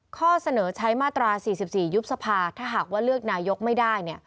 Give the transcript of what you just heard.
ข้อเสนอใช้มาตรา๔๔ยุบสภาถ้าหากว่าเลือกนายกไม่ได้